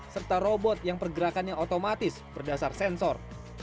serta robot yang pergerakannya otomatis berdasar sensor